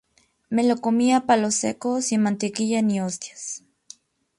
Me lo comí a palo seco. Sin mantequilla ni hostias